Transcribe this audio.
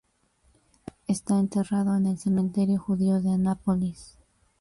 Está enterrado en el cementerio judío de Annapolis.